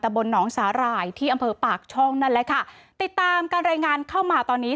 บนหนองสาหร่ายที่อำเภอปากช่องนั่นแหละค่ะติดตามการรายงานเข้ามาตอนนี้